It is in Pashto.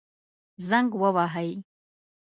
زنګ ووهئ